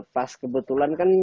pas kebetulan kan